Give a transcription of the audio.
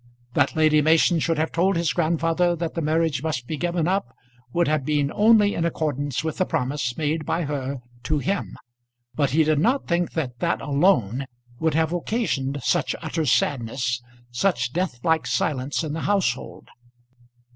That Lady Mason should have told his grandfather that the marriage must be given up would have been only in accordance with the promise made by her to him; but he did not think that that alone would have occasioned such utter sadness, such deathlike silence in the household.